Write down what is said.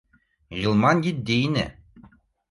— Ғилман етди ине